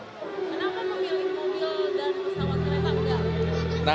kenapa memilih mobil dan pesawat kereta